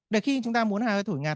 để khi chúng ta muốn thổi ngạt